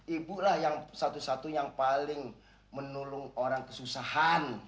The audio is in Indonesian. ibu lah yang satu satunya yang paling menolong orang kesusahan